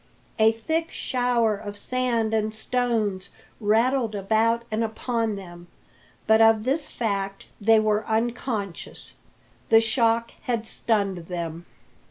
A thick shower of sand and stones rattled about and upon them. But of this fact they were unconscious. The shock had stunned them.